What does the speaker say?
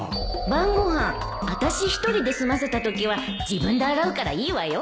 晩ご飯あたし１人で済ませたときは自分で洗うからいいわよ